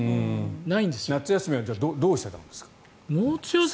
夏休みはどうしてたんですか？